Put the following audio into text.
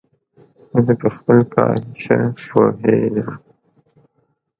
زه په خپل کار ښه پوهیژم.